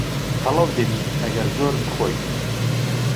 قەڵەو دەبیت ئەگەر زۆر بخۆیت.